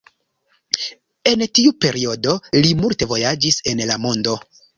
En tiu periodo li multe vojaĝis en la mondo.